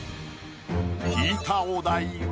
引いたお題は？